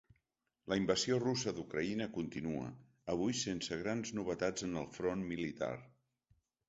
La invasió russa d’Ucraïna continua, avui sense grans novetats en el front militar.